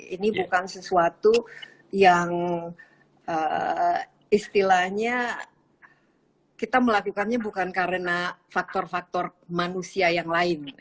ini bukan sesuatu yang istilahnya kita melakukannya bukan karena faktor faktor manusia yang lain